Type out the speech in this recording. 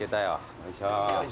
よいしょ。